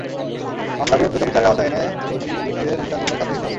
মামলাগুলো দ্রুত বিচারের আওতায় এনে দোষী ব্যক্তিদের দৃষ্টান্তমূলক শাস্তি দিতে হবে।